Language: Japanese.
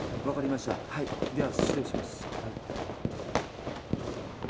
では失礼しますはい。